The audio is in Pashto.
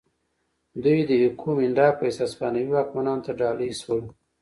دوی د ایکومینډا په حیث هسپانوي واکمنانو ته ډالۍ شول.